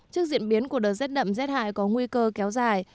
trước diễn biến của đợt rét đậm rét hại có nguy cơ kéo dài